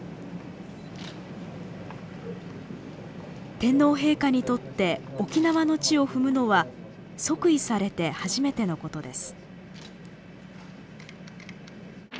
天皇陛下にとって沖縄の地を踏むのは即位されて初めてのことです。